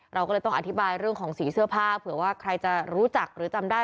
เราก็เลยต้องอธิบายเรื่องของสีเสื้อผ้าเผื่อว่าใครจะรู้จักหรือจำได้